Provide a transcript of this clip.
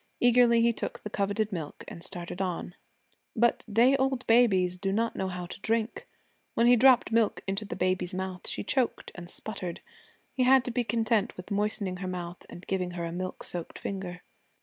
Eagerly he took the coveted milk and started on. But day old babies do not know how to drink. When he dropped milk into the baby's mouth she choked and sputtered. He had to be content with moistening her mouth and giving her a milk soaked finger.